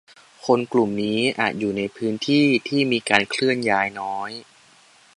- คนกลุ่มนี้อาจอยู่ในพื้นที่ที่มีการเคลื่อนย้ายน้อย